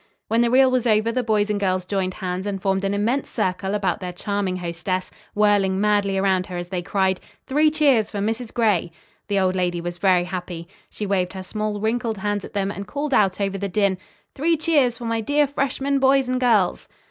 When the reel was over the boys and girls joined hands and formed an immense circle about their charming hostess, whirling madly around her as they cried: "Three cheers for Mrs. Gray!" The old lady was very happy. She waved her small, wrinkled hands at them and called out over the din: "Three cheers for my dear freshmen boys and girls!"